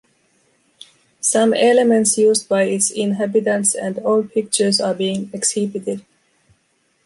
Some elements used by its inhabitants and old pictures are being exhibited.